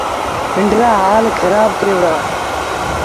پنڊرآ هآل کرآب ٿئي وُهڙآ۔